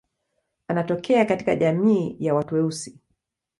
Anatokea katika jamii ya watu weusi.